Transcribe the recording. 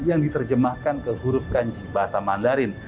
yang diterjemahkan ke huruf kanji bahasa mandarin